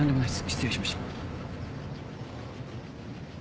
失礼しました。